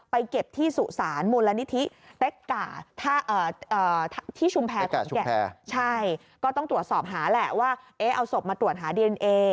เก็บที่สุสานมูลนิธิเต็กก่าที่ชุมแพรขอนแก่นใช่ก็ต้องตรวจสอบหาแหละว่าเอาศพมาตรวจหาดีเอนเอ